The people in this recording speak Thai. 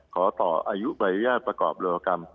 ขอต่ออายุใบอนุญาตประกอบโลกรรม